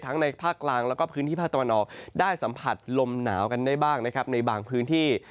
ในภาคกลางแล้วก็พื้นที่ภาคตะวันออกได้สัมผัสลมหนาวกันได้บ้างนะครับในบางพื้นที่